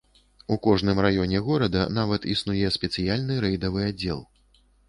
У кожным раёне горада нават існуе спецыяльны рэйдавы аддзел.